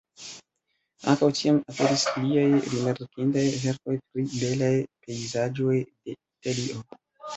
Ankaŭ tiam aperis liaj rimarkindaj verkoj pri belaj pejzaĝoj de Italio.